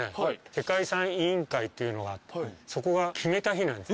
世界遺産委員会というのがあってそこが決めた日なんです